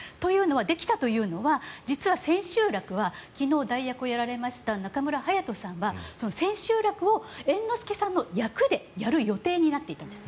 できたというのは実は千秋楽は昨日、代役をやられました中村隼人さんが千秋楽を猿之助さんの役でやる予定になっていたんです。